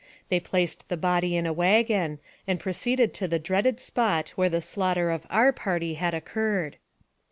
They placed the body in a wagon, and proceeded to the dreaded spot where the slaughter of our party had occurred.